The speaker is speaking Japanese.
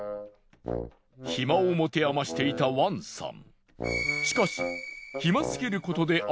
暇を持て余していたワンさん。